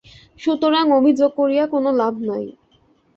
সুতরাং অভিযোগ করিয়া কোন লাভ নাই।